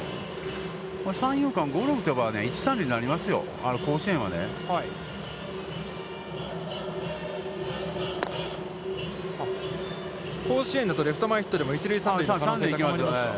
三遊間ゴロ打てば、一・三塁になりますよ、甲子園はね。甲子園だとレフト前ヒットでも、一塁、三塁の可能性が高まりますか。